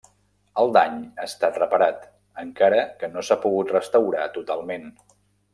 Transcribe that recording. El dany ha estat reparat, encara que no s'ha pogut restaurar totalment.